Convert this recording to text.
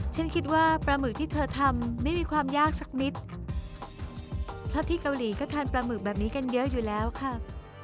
ฉันคิดว่าปลาหมึกที่เธอทำไม่มีความยากสักนิดเพราะที่เกาหลีก็ทานปลาหมึกแบบนี้กันเยอะอยู่แล้วค่ะ